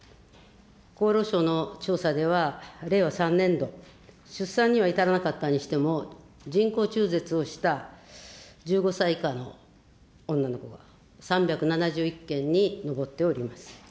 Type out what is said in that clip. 厚労省の調査では、令和３年度、出産には至らなかったにしても、人工中絶をした１５歳以下の女の子が３７１件に上っております。